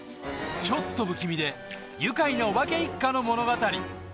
ちょっと不気味で愉快なお化け一家の物語